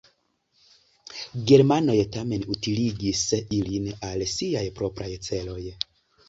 Germanoj tamen utiligis ilin al siaj propraj celoj.